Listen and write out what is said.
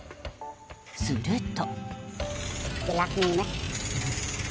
すると。